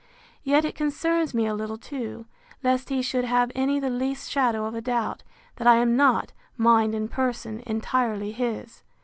Yet it concerns me a little too, lest he should have any the least shadow of a doubt, that I am not, mind and person, entirely his.